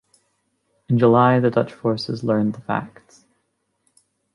In July, the Dutch forces learned the facts.